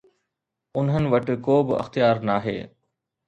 انهن وٽ ڪو به اختيار ناهي.